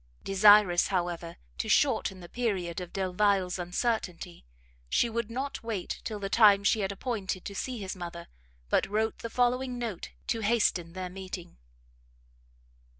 Desirous, however, to shorten the period of Delvile's uncertainty, she would not wait till the time she had appointed to see his mother, but wrote the following note to hasten their meeting.